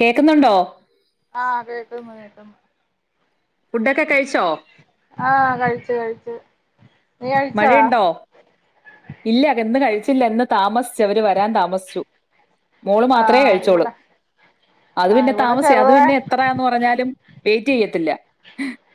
കേക്കുന്നുണ്ടോ ആഹ് കേക്ക്ന്ന് കേക്ക്ന്ന് ഫുഡൊക്കെ കഴിച്ചോ ആഹ് കഴിച്ച് കഴിച്ച് മഴയുണ്ടോ ഇല്ല ഇന്ന് കഴിച്ചില്ല ഇന്ന് താമസിച്ചു അവര് വരാൻ താമസിച്ചു മോള് മാത്രേ ആഹ് കഴിച്ചോള് ഇവിടെ അത് ആഹ് പിന്നെ ഇവിടെ താമസി അത് ചെറുതാ പിന്നെ എത്രാന്ന് പറഞ്ഞാലും വെയിറ്റ് ചെയ്യത്തില്ല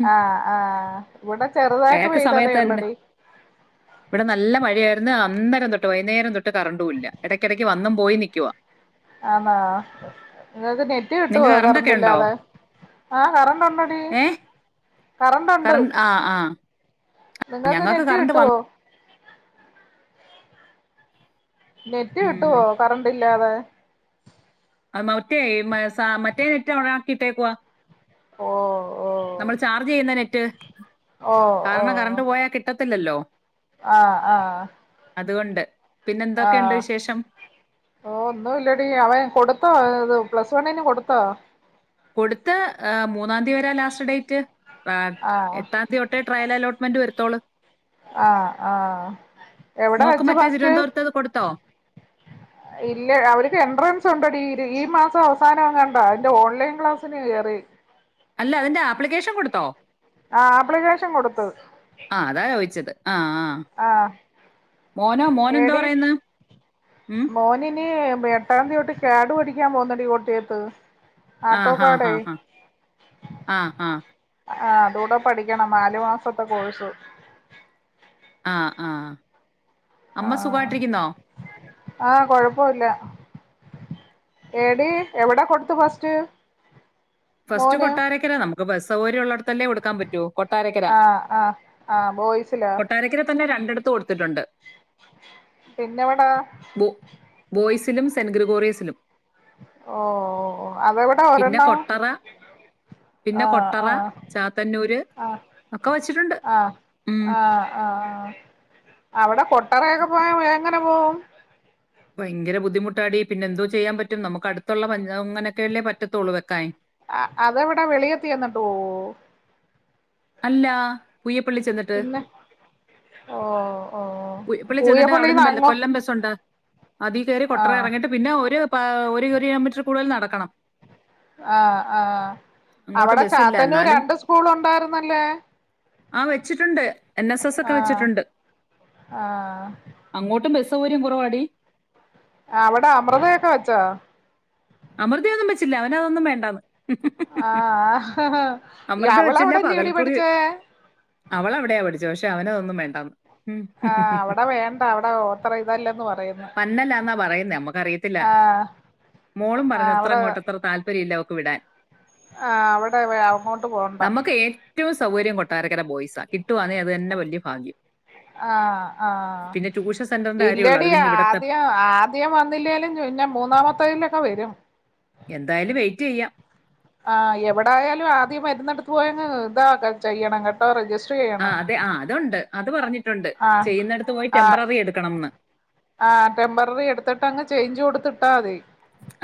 ഉം. ആഹ് ആഹ് ഇവിടെ ചെറുതായിട്ട് അയാൾക്ക് പെയ്തതേ സമയത്ത് തന്നെ ഒള്ളടി ഇവിടെ നല്ല മഴയായിരുന്നു അന്നരം തൊട്ട് വൈകുന്നേരം തൊട്ട് കറണ്ടും ഇല്ല ഇടക്കിടയ്ക്ക് വന്നും പോയിം നിക്കുവാ [inaudible] ആന്നോ നിങ്ങക്ക് നെറ്റ് കിട്ടുവോ നിങ്ങൾക്ക് കറണ്ടൊക്കെ കറണ്ട് ഉണ്ടോ ഇല്ലാതെ ആഹ് കറണ്ട് ഉണ്ടടി കറൻ ആഹ് ആഹ് നിങ്ങൾക്ക് നെറ്റ് കിട്ടോ നെറ്റ് കിട്ടോ ഉം. കറണ്ട്ല്ലാതെ അത് മറ്റേ മ സ മറ്റേ നെറ്റ് ഓണാക്കി ഇട്ടേക്കുവാ ഓഹ് നമ്മള് ചാർജ് ചെയ്യുന്ന നെറ്റ് ഓ ഓ കാരണം കറണ്ട് പോയാൽ കിട്ടത്തില്ലല്ലോ ആഹ് ആഹ് അതുകൊണ്ട് പിന്നെന്തോക്കെയുണ്ട് വിശേഷം ഓഹ് ഒന്നൂല്ലടി അവൻ കൊടുത്തോ ത് പ്ലസ് വണ്ണിന് കൊടുത്തോ കൊടുത്ത് ഏ മൂന്നാംതി വരെയാ ലാസ്റ്റ് ഡേറ്റ് ഏ ആഹ് എത്താൻ ഒരു വട്ടമേ ട്രയൽ അലോട്ട്മെന്റ് വരത്തോള് ആഹ് ആഹ് എവിടെ മോക്ക് വെച്ച് മറ്റേ ഫസ്റ്റ് തിരുവനന്തപുരത്തേത് കൊടുത്തോ ഇല്ല അവർക്ക് എൻട്രൻസ് ഉണ്ടടി ഈ മാസം അവസാനഎങ്ങാണ്ടാ അതിന്റെ ഓൺലൈൻ ക്ലാസ്സിന് കേറി അല്ല അതിന്റെ ആപ്ലിക്കേഷൻ കൊടുത്തോ ആഹ് ആപ്ലിക്കേഷൻ കൊടുത്തു ആഹ് അതാ ചോദിച്ചത് ആഹ് ആഹ് ആഹ് ഏടി പറയുന്ന്? ഉം. മോനിനി എ ട്ടാംതി തൊട്ട് കാഡ് പഠിക്കാൻ പോകുന്നടി കോട്ടയത്ത് ആഹ് ഹാ ഹാ ആട്ടോക്കാടെ ഹാ ആഹ് ഹാ ആഹ് അതൂടെ പഠിക്കണം നാലു മാസത്തെ കോഴ്സ് ആഹ് ആഹ് അമ്മ സുഖായിട്ടിരിക്കുന്നോ ആഹ് കൊഴപ്പോല്ല ഏടീ എവിട കൊടുത്ത് ഫസ്റ്റ് ഫസ്റ്റ് മോന് കൊട്ടാരക്കര നമുക്ക് ബസ് സൗകര്യം ഉള്ളടത്തല്ലേ കൊടുക്കാൻ പറ്റു കൊട്ട് ട്ടാരക്കര ആഹ് ആഹ് ആഹ് ബോയ്സിലാ കൊട്ടാരക്കര തന്നെ രണ്ടിടത്ത് കൊടുത്തിട്ടുണ്ട് പിന്നെവടാ ബൊ ബോയ്സിലും സെന്റ് ഗ്രിഗോറിയസിലും ഓ ഓ ഓ അതെവിടാ ഒരെണ്ണം ട്ടറ പിന്നെ ആഹ് കൊട്ടറ ആഹ് ചാത്തന്നൂര് ഒക്കെ വെച്ചിട്ടുണ്ട് ആഹ് ഉം ആഹ് ആഹ് ആഹ് അവിടെ കൊട്ടാറയൊക്കെ പോയാ എങ്ങനെ പോവും ഭയങ്കര ബദ്ധിമുട്ടാടി പിന്നെ എന്തോ ചെയ്യാൻ പറ്റും നമുക്ക് അടുത്തുള്ള പഞ്ചാ അങ്ങനൊക്കെയല്ലേ പറ്റത്തോള്ള് വെക്കാൻ അ അതെവിടാ വെളിയത്ത് ചെന്നിട്ട് പോകുവോ അല്ല പൂയപ്പള്ളി ചെന്നിട്ട് പിന്നെ ഓ ഓ പുയപ്പള്ളി ചെന്നിട്ട് പൂയപ്പള്ളിന്ന് അവിടന്ന് ബ അങ്ങോ കൊല്ലം ബസ്സുണ്ട് അതി കേറി കൊട്ടറ ആഹ് ഇറങ്ങിയിട്ട് പിന്നെ ഒരു പ ഒരു ഒരു കിലോമീറ്റർ കൂടുതൽ നടക്കണം ആഹ് ആഹ് അങ്ങോട്ട് അവിടെ ബസ്സില്ല ചാത്തന്നൂർ എന്നാലും രണ്ട് സ്കൂൾ ഉണ്ടായിരുന്നല്ലാ ആഹ് വെച്ചിട്ടുണ്ട് എൻ എസ് എസ് ഒക്കെ ആഹ് വെച്ചിട്ടുണ്ട് ആഹ് അങ്ങോട്ടും ബസ് സൗകര്യം കുറവാടി അവിടെ അമൃതയൊക്കെ വച്ചോ അമൃതയൊന്നും വച്ചില്ല അവനതൊന്നും വേണ്ടാന്ന് ആഹ് ഹ ഹാ അമൃത അവളവിടെയല്ലെയോടീ പഠിച്ചത് അവളവിടെയാ പഠിച്ചേ പക്ഷേ അവനതൊന്നും വേണ്ടാന്ന് ആഹ് ഉം. അവിടെ വേണ്ട അവിടെ ഓത്ര ഇതല്ലെന്ന് പറയ്ന്ന് പന്നലാന്നാ പറയുന്നേ നമുക്കറിയത്തില്ല ആഹ് മോളും പറഞ്ഞു ആഹ് അവിടെ അത്രങ്ങോട്ടത്ര താൽപര്യല്ലവക്ക് വിടാൻ ആഹ് അവിടെ വേ അങ്ങോ നമ്മക്ക് ഏറ്റവും സൗകര്യം കൊട്ടാരക്കര ബോയ്സാ കിട്ടുവാന്നെ അത് തന്നെ വല്യ ഭാഗ്യം ആഹ് ആഹ് പിന്നെ ട്യൂഷൻ സെന്ററിന്റെ കാര്യമുള്ളൂ അത് ഇല്ലടി പിന്നെ ഇവിടത്തെ ആദ്യം ആ ദ്യം വന്നില്ലോലും പിന്നെ മൂന്നാമത്തതിലൊക്കെ വരും എന്തായാലും വെയിറ്റെയ്യാം ആഹ് എവിടായാലും ആദ്യം വരുന്നടത്ത് പോയങ്ങ് ഇതാ ആഹ് അതെ ആഹ് അതുണ്ട് അത് പറഞ്ഞിട്ടുണ്ട് ആഹ് ചെയ്യുന്നടത്ത് പോയി ആഹ് ടെംമ്പററി എടുക്കണംന്ന് ആഹ് ടെംമ്പററി എടുത്തിട്ടങ്ങ് ചേഞ്ച് കൊടുത്തിട്ടാ മതി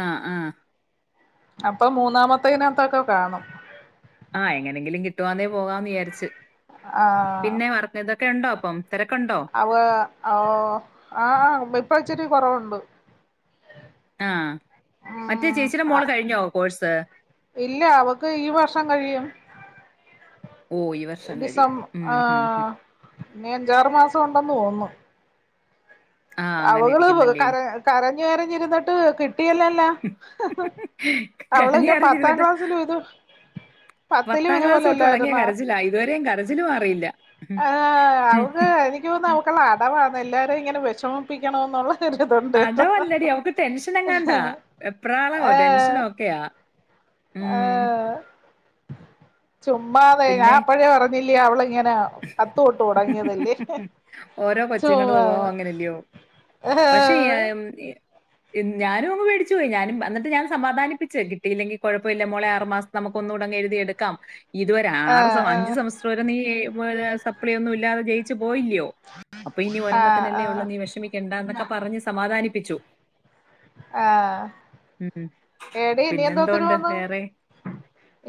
ആഹ് ആഹ് അപ്പം മൂന്നാമത്തയിനാത്തൊക്കെ കാണും ആഹ് എങ്ങനെങ്കിലും കിട്ടുവാന്നേ പോകാന്ന് വിചാരിച്ച് ആഹ് പിന്നെ വർക്കിതൊക്കെയുണ്ടോ അപ്പം തിരക്കുണ്ടോ ഓഹ് ആഹ് ഇപ്പിച്ചിരി കുറവുണ്ട് ആഹ് മറ്റേ ഉം ചേച്ചിടെ മോള് കഴിഞ്ഞോ കോഴ്സ് ഇല്ല അവക്ക് ഈ വർഷം കഴിയും ഓ ഈ വർഷം കഴിയും ഡിസം ഉം, ഉം, ഉം. ഏഹ് ഇനിയഞ്ചാറ് മാസം ഉണ്ടെന്ന് തോന്നുന്നു ആ അങ്ങനെ അവകള് ഇരിക്കുന്നല്ലേ കര കരഞ്ഞ് കരഞ്ഞിരുന്നിട്ട് കിട്ടിയല്ലല്ല കരഞ്ഞ് കരഞ്ഞിരുന്നിട്ട് പത്തിലും പത്താം ക്ലാസ് തൊട്ട് തൊടങ്ങിയാ ഇതുപോലെല്ലായിരുന്നോ കരച്ചിലാ ഇതുവരെയും കര ച്ചില് മാറിയില്ല ആഹ് അവക്ക് എനിക്ക് തോന്നു അവക്കുള്ള അടവാന്നെല്ലാരെയിങ്ങനെ വെഷമിപ്പിക്കണോന്നുള്ള അടവല്ലടി അവക്ക് ടെൻഷനെങ്ങാണ്ടാ വെപ്രാളാവോ ടെൻഷനോക്കെയാ ആഹ് ചുമ്മാതെ പിന്നെ ഞാൻപ്പഴേ പറഞ്ഞില്ലേ അവളിങ്ങനാ പത്ത് തൊട്ട് തൊടങ്ങിയതല്ലേ ഓരോ ചുമ്മാതെ പക്ഷെ ഏഹ് ആയം [unintelligible] ഞാനും അങ്ങ് പേടിച്ചുപോയി ഞാനും എന്നിട്ട് ഞാൻ സമാധിപ്പിച്ച് കിട്ടിയില്ലെങ്കി കൊഴപ്പവില്ല മോളെ ആറ് മാസം നമക്കൊന്നൂടങ്ങെഴുതിയെടുക്കാം ഇതുവരെ ആറ് ആഹ് സെം ആഹ് അഞ്ച് സെമസ്റ്റർ വരെ നീ സപ്ലി ഒന്നുല്ലാതെ ജയിച്ചു പോയില്ല്യോ അപ്പൊ ഇനി ആഹ് ഒരെണ്ണത്തിനല്ലേ ഉള്ളൂ ആഹ് നീ വിഷമിക്കണ്ടന്നൊക്കെ പറഞ്ഞ് സമാധാനിപ്പിച്ചു ആഹ് ഉം. എടീ ഇനി എന്തോത്തിന് പിന്നെന്തോണ്ട് പോന്നു വേറെ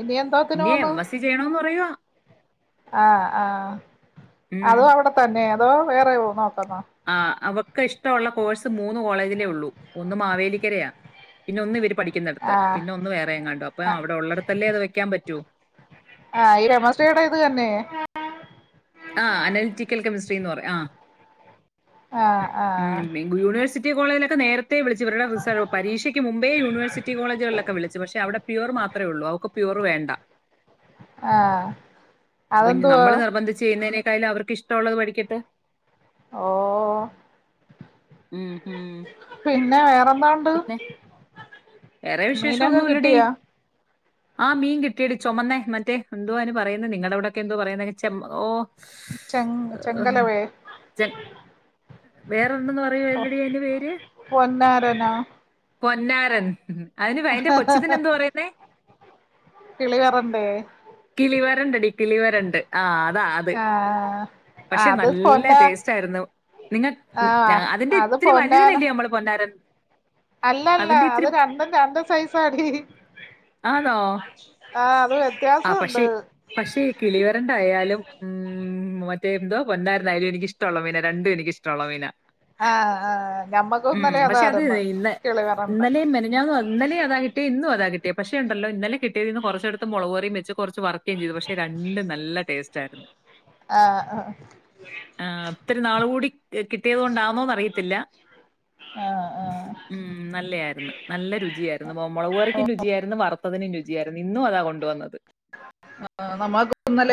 ഇനി എന്തോത്തിന് ഇനി എം പോന്ന് എസ് സി ചെയ്യണോന്ന് പറയുവാ ആഹ് ആഹ് ഉം അതു അവിടെത്തന്നെ അതോ വേറെ നോക്കുന്നോ ആഹ് അവക്കിഷ്ടവുള്ള കോഴ്സ് മൂന്ന് കോളേജിലേ ഉള്ളൂ ഒന്ന് മാവേലിക്കരയാ പിന്നൊന്നിവര് പഠിക്കുന്നിടത്ത് ആഹ് പിന്നൊന്ന് വേറെയെങ്ങാണ്ടോ അപ്പൊ അവിടൊള്ളടത്തല്ലേ അത് വെക്കാൻ പറ്റൂ ആഹ് ഈ രമശ്രീടെയിത് തന്നെ ആഹ് അനലിറ്റിക്കൽ കെമിസ്ട്രിന്ന് പറ ആഹ് ആഹ് ആഹ് ഉം യൂണിവഴ്സിറ്റി കോളേജിലക്കെ നേര ത്തേ വിളിച്ചു ഇവരുടെ റിസ പരീക്ഷക്ക് മുമ്പേ യൂണിവേഴ്സിറ്റി കോളജുകളിലൊക്കെ വിളിച്ചു പക്ഷെ അവിടെ പ്യുവർ മാത്രേയുള്ളൂ അവക്ക് പ്യുവർ വേണ്ട ആഹ് അപ്പൊ ഇനി അതെന്തുവാ നമ്മള് നിർബന്ധി ചെയ്യുന്നയിനെക്കായിലും അവർക്കിഷ്ട്ടവുള്ളത് പഠിക്കട്ടെ ഓഹ് ഉം ഹും പിന്ന വേറെന്താണ്ട്? വേറെ വിശേഷം മീനൊക്കെ ഒന്നുല്ലെടി കിട്ടിയാ ആ മീൻ കിട്ട്യേടി ചുമന്നേ മറ്റേ എന്തോ അയിന് പറയുന്നേ നിങ്ങെടവ്ടൊക്കെ എന്തോ പറയുന്നേ ചെം ഓ ചെ ആഹ് ചെങ്കലവേ ജം വേറൊണ്ടെന്ന് പറയുവല്ലെടി അയ്ന്റെ പേര് പൊന്നാരനോ പൊന്നാരൻ അതിന് അയിൻ്റെ കൊച്ചിതിനെന്താ പറയുന്നേ കിളി വറണ്ടേ കിളിവരെണ്ടെടീ കിളിവരെണ്ട് ആ അതാ അത് ആഹ് പക്ഷെ അത് നല്ല പൊന്ന ടേസ്റ്റായിര്ന്നൂ നിങ്ങ ആഹ് അതിന്റെ അത് ഇത്തിരി വലുതിനല്ലേ നമ്മള് പൊന്നാരൻ അല്ല ല്ല അതിന്റെ അത് ഇത്തിരി രണ്ടും രണ്ട് സൈസാടി ആണോ ആ അത് ആ വ്യത്യാസുണ്ട് പക്ഷെ പക്ഷേ കിളിവരണ്ടായാലും ഉം മറ്റേ എന്തോ പൊന്നാര്ന്നായാലും എനിക്കിഷ്ടൊള്ള മീന രണ്ടും എനിക്കിഷ്ടൊള്ള മീനാ ആ ആ ഞമ്മക്കൂന്നലെ അതാര്ന്ന് കിളി വരണ്ടൻ ഞാന്നോ ഇന്നലേ അതാ കിട്ട്യേ ഇന്നും അതാ കിട്ട്യേ പക്ഷേണ്ടല്ലോ ഇന്നലെ കിട്ട്യതീന്ന് കൊറച്ചെടുത്ത് മൊളകറീം വെച്ചു കൊർച്ച് വർക്കേം ചെയ്തു പക്ഷെ രണ്ടും നല്ല ടേസ്റ്റായിര്ന്ന് ആ ആ ആ ഒത്തിരി നാള് കൂടി കിട്ടിയത് കൊണ്ടാന്നോന്നറിയത്തില്ല ആഹ് ആഹ് ഉം നല്ലായിര്ന്ന് നല്ല രുചിയായിര്ന്ന് മൊളകറിയ്ക്കും രുചിയായിര്ന്ന് വറ്ത്തതിനും രുചി ചിയാര്ന്ന് ഇന്നും അതാ കൊണ്ടുവന്നത്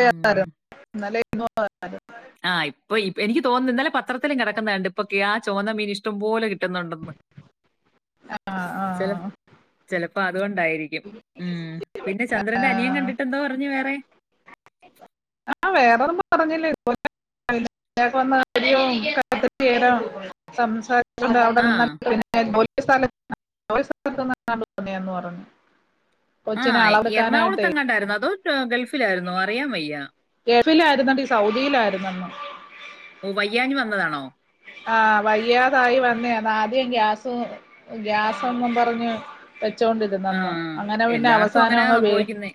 ഉം. ആ ഇപ്പ ഈ എനിക്ക് തോന്നുന്ന് ഇന്നലെ പത്രത്തിലും കെടക്കുന്നണ്ട് ഇപ്പൊക്ക്യാ ചോന്ന മീന് ഇഷ്ടം പോലെ കിട്ടുന്നുണ്ടെന്ന് ആഹ് ചെല ആഹ് ചെലപ്പോ അതുകൊണ്ടായിരിക്കും ഉം പിന്നെ ചന്ദ്രന്റെ അനിയൻ ആഹ് കണ്ടിട്ടെന്തോ പറഞ്ഞു വേറെ ആ വേറൊന്നും പറഞ്ഞില്ല ഇത്പോലെ [inaudible] സംസാരിച്ചോണ്ട് അവടെ ആ നിന്ന [inaudible] പറഞ്ഞു കൊച്ചിനളവെട്ക്കാനായിട്ടേ ആയിര്ന്നതോ [unintelligible] ഗൾഫിലായിര്ന്നോ അറിയാൻ വെയ്യാ ഗേഫിലാര്ന്നെടീ സൗദിലായിര്ന്നെന്ന് ഓ വയ്യാഞ്ഞ് വന്നതാണോ ആ വയ്യാതായി വന്ന ആദ്യം ഗ്യാസ് ഗ്യാസെന്നും പർഞ്ഞ് ആ വെച്ചൊണ്ടിര്ന്നെന്ന് അങ്ങനെ പിന്നെ എല്ലാവർക്കും അങ്ങനെ അവസാനങ്ങ് വീ സംഭവിക്കുന്നേ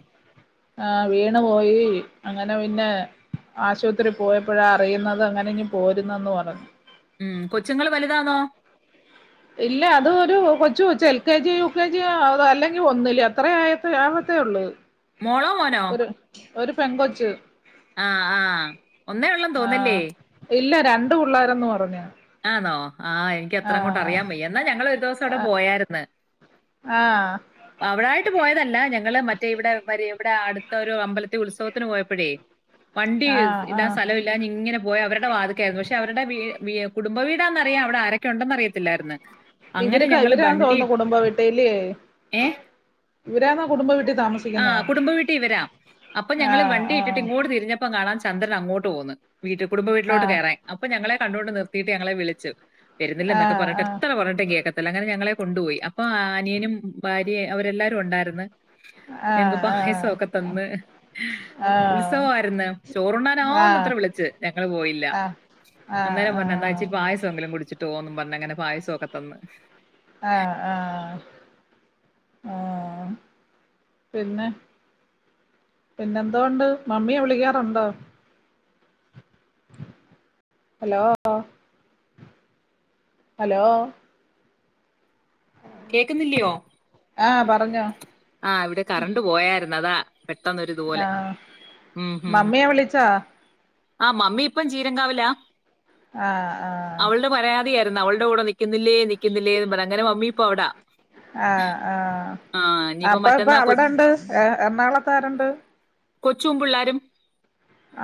ആ വീണ് പോയി അങ്ങനെ പിന്നെ ആശുത്രീ പോയപ്പഴാ അറിയുന്നത് അങ്ങനെഞ്ഞി പോരുന്നെന്ന് പറഞ്ഞ് ഉം കൊച്ചുങ്ങള് വലുതാന്നോ ഇല്ല അത് ഒരു കൊച്ച് കൊച്ച് L K G U K G അല്ലെങ്കി ഒന്നില് അത്രെ ആയെ പ്പഴാവത്തേ ഒള്ളൂ മോളോ മോനോ ഒരു ഒരു പെങ്കൊച്ച് ആ ആ ഒന്നേ ഒള്ളെന്ന് തോന്നല്ലേ ആഹ് ഇല്ല രണ്ട് പുള്ളാരെന്ന് പറഞ്ഞ് ആന്നോ ആയ് എനിക്കത്രങ്ങോട്ട് അറിയാൻ വയ്യ എന്നാ ഞങ്ങളൊര് ദൊവസം അവടെ പോയാര്ന്ന് ആഹ് അവിടായിട്ട് പോയതല്ല ഞങ്ങള് മറ്റേ ഇവടെ വരെ ഇവടെ അടുത്ത ഒര് അമ്പലത്തി ഉത്സവത്തിന് പോയപ്പഴേ വണ്ടി ആഹ് ഇടാൻ ആഹ് സ്ഥലവില്ലാഞ്ഞിങ്ങനെ പോയി അവര്ടെ വാത്ക്കായാര്ന്നു പക്ഷെ അവര്ടെ വീ വീ കുടുംബവീടന്നറിയാ അവടെ ആരൊക്കൊണ്ടെന്നറിയത്തില്ലായിര്ന്ന് അങ്ങനെ ഇവര്ക്ക ഞങ്ങള് ഇവരാന്ന് വണ്ടി തോന്നുന്നു കുടുംബ വീട്ടില് ഏ ഇവരാന്നോ കുടുംബ വീട്ടിൽ ആ താമസിക്കുന്നേ കുടുംബ വീട്ടീ ഇവരാ അപ്പൊ ഞങ്ങള് ആഹ് വണ്ടി ഇട്ടിട്ട് ഇങ്ങോട്ട് തിരിഞ്ഞ പ്പ കാണാൻ ചന്ദ്രൻ അങ്ങോട്ട് പോന്ന് വീട്ട് കുടുംബ വീട്ട്ലോട്ട് ആഹ് കേറാൻ അപ്പ ഞങ്ങളെ കണ്ടോണ്ട് നിർ ത്തിട്ട് ഞങ്ങളെ വിളിച്ചു വെരുന്നില്ലന്നൊക്കെ ആഹ് പറഞ്ഞിട്ട് ആഹ് എത്ര പറഞ്ഞിട്ടും കേക്ക അങ്ങനെ ഞങ്ങളെ കൊണ്ടുപോയി അപ്പൊ അനിയനും ഭാര്യയും അവരെല്ലാരും ഉണ്ടാര്ന്ന് ആഹ് ആഹ് ഞങ്‌ക്ക്പായസൊക്കെ തന്ന് ഉത്സവാര്ന്ന് ചോറുണ്ണാൻ ആഹ് ആഹ് ആഹ് ആവുന്നത്ര ആഹ് വിളിച്ച് ഞങ്ങള് പോയില്ല ആഹ് അന്നേരം ആഹ് പറഞ്ഞു എന്നാ ഇച്ചിരി പായസ എങ്കിലും കുടിച്ചിട്ട് പോന്നും പറഞ്ഞ് അങ്ങനെ പായസൊക്കെ തന്ന്. ആഹ് ആഹ് ആഹ് പിന്നെ പിന്നെ എന്തോണ്ട്, മമ്മിയെ വിളിക്കാറുണ്ടോ? Hello hello കേക്കുന്നില്ലിയോ? ആഹ് പറഞ്ഞോ ആഹ്, ഇവിടെ കറണ്ട് പോയായിരുന്നു അതാ പെട്ടെന്നൊരുദു ആഹ് മമ്മിയെ വിളിച്ചാ? ആഹ് മമ്മി ഇപ്പം ചീരംകാവിലാ, ആഹ് ആഹ് അവളുടെ പരാതിയാ ന്ന് അവളുടെ കൂടെ നിക്കുന്നില്ലേ നിക്കുന്നില്ലേന്ന് പറത്ത്, അങ്ങനെ മമ്മിപ്പോ അവിടാ ആഹ് ആഹ് ആ ഇനിയിപ്പോ അപ്പൊ ഇപ്പൊ മറ്റന്നാ കൊ- അവിടെ ഉണ്ട് എ എറണാകുളത്താരുണ്ട് കൊച്ചുവും, പിള്ളാരും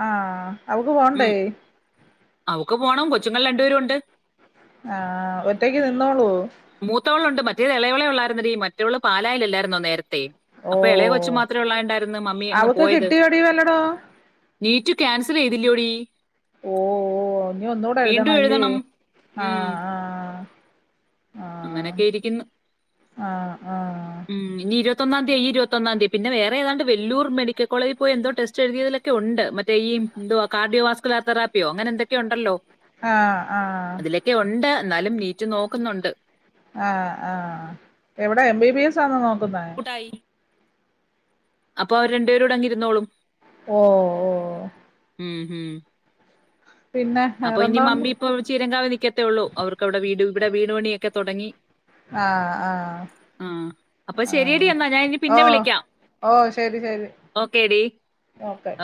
ആഹ് അവക്ക് പോണ്ടേ ഉം അവക്ക് പോണം കൊച്ചുങ്ങൾ രണ്ടുപേരും ഉണ്ട് ആഹ് ആഹ് ഒറ്റക്ക് നിന്നോളൂവോ? മൂത്തവളുണ്ട്, മറ്റേത് ഇളയവള് ഒള്ളായിരുന്നടി, മറ്റേവള് പാലായിലല്ലായിരുന്നോ നേരത്തെ ഓ അപ്പൊ എളയ കൊച്ച് മാത്രമേ ഒള്ളണ്ടായിരുന്നു മമ്മി അങ്ങ് അവക്ക് പോയത് കിട്ടിയോടി വല്ലടോ നീറ്റ് ക്യാൻസൽ ചെയ്തില്ലയോടി ഓഹ് ഓഹ് ഇനീ ഒന്നൂടെ എഴുതണം ഇല്ലേ, ഉം ആഹ് ആഹ് അങ്ങനൊക്കെ ഇരിക്കുന്നു ആഹ് ആഹ് ഉം, ആഹ് ഇനി ഇരുപത്തൊന്നാ തീയാ, ഈ ഇരുപത്തൊന്നാം തീയാ, പിന്നെ വേറെ ഏതാണ്ട് വെല്ലൂർ മെഡിക്കൽ കോളജി പോയി എന്തോ ടെസ്റ്റ് എഴുതിയതിലൊക് ക്കെ ഒണ്ട് മറ്റേ ഈ എന്തുവാ കാർഡിയോവാസ്കുലർ തെറാപ്പിയോ അങ്ങനെ എന്തൊക്കെയോ ഒണ്ടല്ലോ ആഹ് ആഹ് ക്കെയൊണ്ട്, എന്നാലും നീറ്റ് നോക്കുന്നുണ്ട്. ആഹ് ആഹ് എവിടാ എം ബി ബി എസ് ആണോ നോക്കുന്നെ [unintelligible] അപ്പൊ അവര് രണ്ടു പേരൂടെ അങ്ങിരുന്നോളും. ഓഹ് ഓഹ് ഉം, ഉം പിന്നെ അപ്പൊ ഇനി വേറെന്തോണ്ട് മമ്മി ഇപ്പ ചീരങ്കാവി നിക്കത്തേ ഉള്ളൂ, അവർക്കവടെ വീട് ഇവിടെ വീട് പണിയൊക്കെ തൊടങ്ങി ആഹ് ആഹ് ആഹ് അപ്പൊ ശരിയടി ആഹ് എന്നാ ഞാൻ ഇനി ഓ പിന്നെ വിളിക്കാം, ഓ ശരി ശരി ഓക്കേടി ഓക്കെ